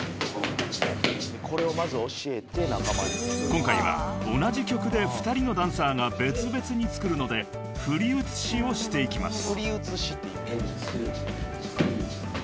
［今回は同じ曲で２人のダンサーが別々に作るので振り写しをしていきます］